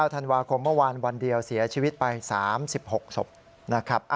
ธันวาคมเมื่อวานวันเดียวเสียชีวิตไป๓๖ศพนะครับ